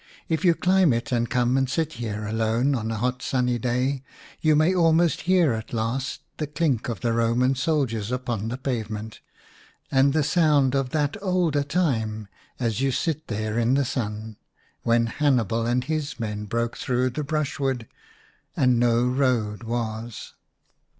If you climb it and come and sit there alone on a hot sunny day you may almost hear at last the clink of the Roman soldiers upon the pavement, and the sound of that older time, as you sit there in the sun, when Hannibal and his men broke through the brushwood, and no road was.